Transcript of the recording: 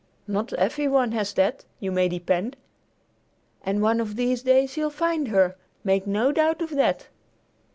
Not every one has that, you may depend! And one of these days you'll find her. Make no doubt of that."